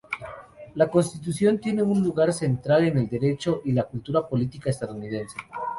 La Constitución tiene un lugar central en el derecho y la cultura política estadounidense.